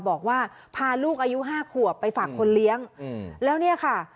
บอกว่าพาลูกอายุ๕ขวบไปฝากคนเลี้ยงแล้วเนี่ยค่ะ